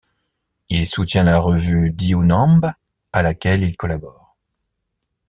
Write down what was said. Il soutient la revue Dihunamb à laquelle il collabore.